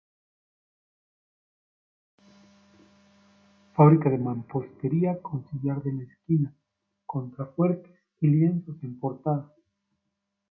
Fábrica de mampostería con sillar de la esquina, contrafuertes y lienzos en portada.